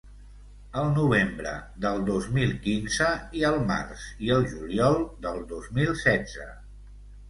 Al novembre del dos mil quinze i al març i el juliol del dos mil setze.